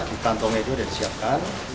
di kantongnya itu sudah disiapkan